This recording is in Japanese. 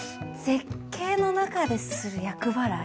絶景の中でする厄払い？